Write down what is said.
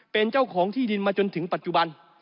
เป็นเจ้าของที่ดินมาจนถึงปัจจุบัน